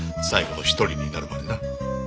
最後の一人になるまでな。